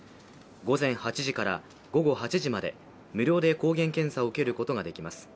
午前８時から午後８時まで無料で抗原検査を受けることができます。